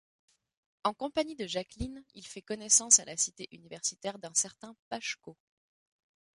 En compagnie de Jacqueline, il fait connaissance à la cité universitaire d'un certain Pacheco.